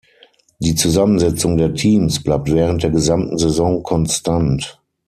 Die Zusammensetzung der Teams bleibt während der gesamten Saison konstant.